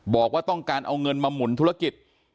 บอกว่าต้องการเอาเงินมาหมุนธุรกิจ